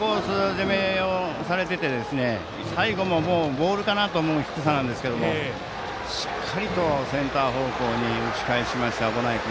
攻めをされてて最後もボールかなと思う低さなんですけどしっかりとセンター方向に打ち返しました、小保内君。